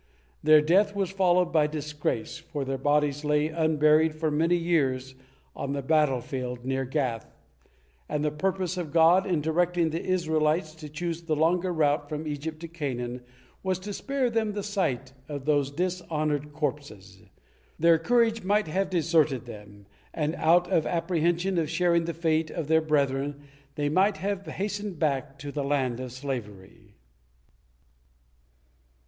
Their death was followed by disgrace, for their bodies lay unburied for many years on the battlefield near Gath, and the purpose of God in directing the Israelites to choose the longer route from Egypt to Canaan, was to spare them the sight of those dishonored corpses. Their courage might have deserted them, and out of apprehension of sharing the fate of their brethren they might have hastened back to the land of slavery.